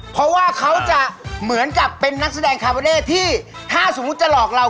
เพราะว่าเขาจะเหมือนกับเป็นนักแสดงคาเบอร์เล่ที่ถ้าสมมุติจะหลอกเรา